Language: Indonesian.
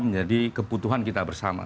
menjadi kebutuhan kita bersama